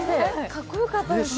かっこよかったです。